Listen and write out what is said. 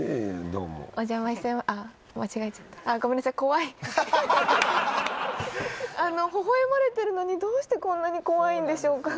どうもハハハハハッほほ笑まれてるのにどうしてこんなに怖いんでしょうか？